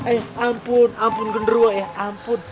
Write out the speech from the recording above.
eh ampun ampun genderua ya ampun